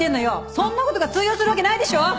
そんな事が通用するわけないでしょ！